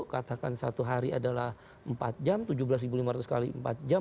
katakan satu hari adalah empat jam tujuh belas lima ratus x empat jam